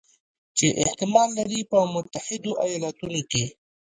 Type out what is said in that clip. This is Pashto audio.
چې احتمال لري په متحدو ایالتونو کې